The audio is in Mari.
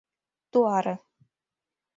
— Туаре.